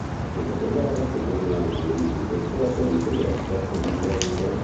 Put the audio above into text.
Nel dopoguerra fu comandante dei Vigili del Fuoco di Trieste e di Trento.